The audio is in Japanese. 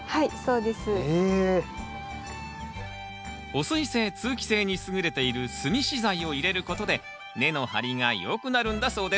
保水性通気性に優れている炭資材を入れることで根の張りが良くなるんだそうです。